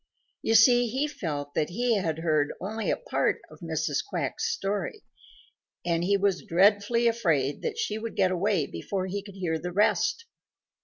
You see, he felt that he had heard only a part of Mrs. Quack's story, and he was dreadfully afraid that she would get away before he could hear the rest.